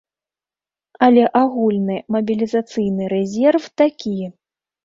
Але агульны мабілізацыйны рэзерв такі.